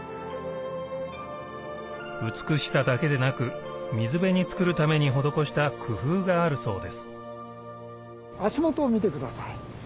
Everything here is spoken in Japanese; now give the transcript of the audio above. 美しさだけでなく水辺に造るために施した工夫があるそうです足元を見てください。